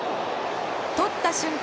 とった瞬間